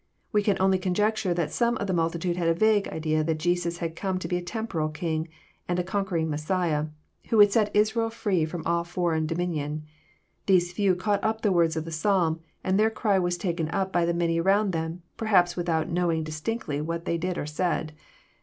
— We can only con jecture tliat some of the multitude had a vague idea that Jesus bad come to be a temporal King, and a conquering Messiah, who would set Israel ft'ee from all foreip[n dominion. These few caught up the words of the Psalm, and their cry was taken up by the many around them, perhaps without knowing dis tinctly what they did or said.